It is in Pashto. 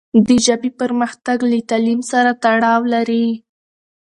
د ژبې پرمختګ له تعلیم سره تړاو لري.